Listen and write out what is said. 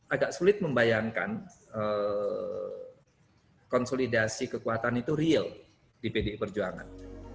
agak sulit membayangkan konsolidasi kekuatan itu real di pdi perjuangan